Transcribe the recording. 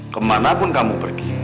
kemanapun kamu pergi